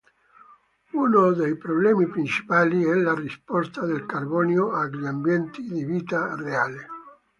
Uno dei problemi principali è la risposta del carbonio agli ambienti di vita reale.